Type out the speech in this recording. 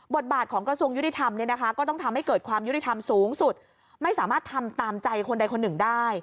บทบาทของกระทรวงยุติธรรมนี่นะคะ